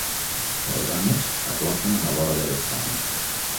Els ànecs s'aclofen a la vora de l'estany.